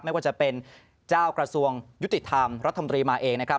ไม่ว่าจะเป็นเจ้ากระทรวงยุติธรรมรัฐมนตรีมาเองนะครับ